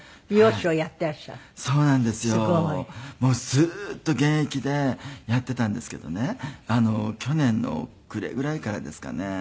ずっと現役でやっていたんですけどね去年の暮れぐらいからですかね